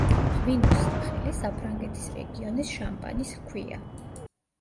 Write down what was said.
ღვინოს სახელი საფრანგეთის რეგიონის „შამპანის“ ჰქვია.